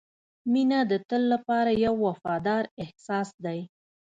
• مینه د تل لپاره یو وفادار احساس دی.